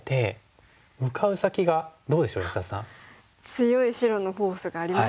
強い白のフォースがありますね。